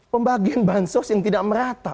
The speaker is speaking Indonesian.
pembagian bahan sos yang tidak merata